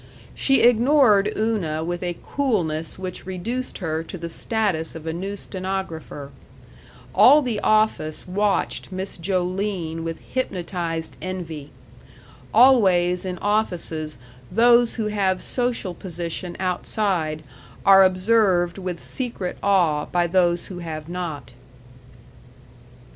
She ignored Una with a coolness which reduced her to the status of a new stenographer. All the office watched Miss Joline with hypnotized envy. Always in offices those who have social position outside are observed with secret awe by those who have not.